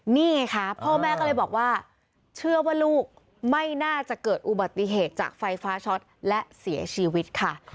นี่ไงคะพ่อแม่ก็เลยบอกว่าเชื่อว่าลูกไม่น่าจะเกิดอุบัติเหตุจากไฟฟ้าช็อตและเสียชีวิตค่ะ